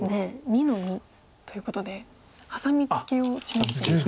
２の二ということでハサミツケを示してます。